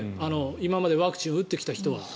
今までワクチンを打ってきた人は。